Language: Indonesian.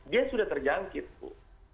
dia sudah terjangkit bu